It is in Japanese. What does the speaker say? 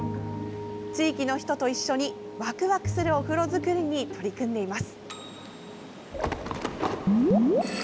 地域の人と一緒にワクワクするお風呂作りに取り組んでいます。